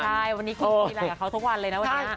ใช่วันนี้คุณคุยอะไรกับเขาทุกวันเลยนะวันนี้